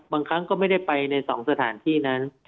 บางครั้งก็ไม่ได้ไปใน๒สถานที่นั้น